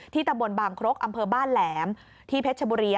ตำบลบางครกอำเภอบ้านแหลมที่เพชรชบุรี